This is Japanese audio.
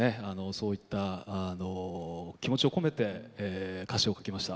そういった気持ちを込めて歌詞を書きました。